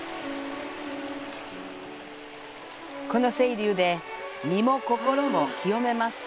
この清流で身も心も清めます。